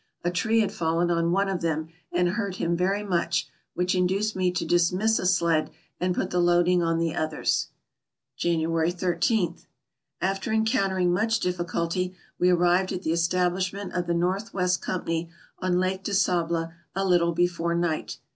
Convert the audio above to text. A tree had fallen on one of them and hurt him very much, which induced me to dismiss a sled and put the load ing on the others. January ij. — After encountering much difficulty we arrived at the establishment of the North West Company on Lake de Sable a little before night.